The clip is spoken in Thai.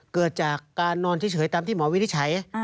เกิดจากการนอนเฉยตามที่หมอวินิจฉัย